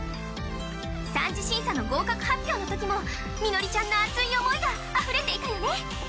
３次審査の合格発表のときもミノリちゃんの熱い思いが溢れていたよね。